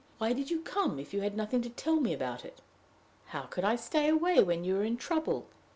Why did you come, if you had nothing to tell me about it?" "How could I stay away when you were in trouble?